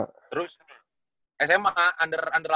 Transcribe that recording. terus sma under delapan belas jadi itu